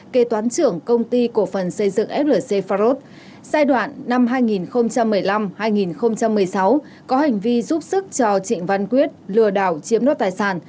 kế toán trưởng công ty cổ phần xây dựng flc pharos giai đoạn năm hai nghìn một mươi năm hai nghìn một mươi sáu có hành vi giúp sức cho trịnh văn quyết lừa đảo chiếm nốt tài sản